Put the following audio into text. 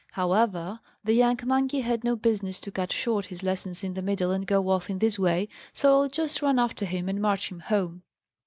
"However, the young monkey had no business to cut short his lessons in the middle, and go off in this way, so I'll just run after him and march him home."